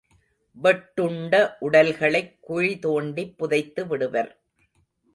வெட்டுண்ட உடல்களைக் குழி தோண்டிப் புதைத்துவிடுவர்.